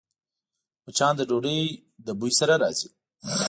مچان د ډوډۍ له بوی سره راځي